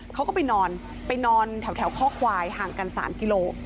เขาก็ไปนอนไปนอนแถวข้อควายห่างกัน๓กิโล